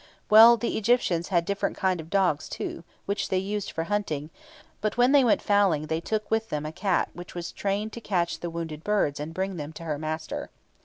Well, the Egyptians had different kinds of dogs, too, which they used for hunting; but when they went fowling they took with them a cat which was trained to catch the wounded birds and bring them to her master.